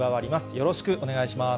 よろしくお願いします。